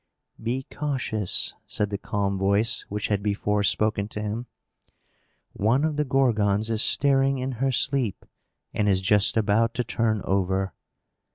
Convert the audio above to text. "Be cautious," said the calm voice which had before spoken to him. "One of the Gorgons is stirring in her sleep, and is just about to turn over.